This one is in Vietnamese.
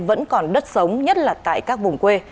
vẫn còn đất sống nhất là tại các vùng quê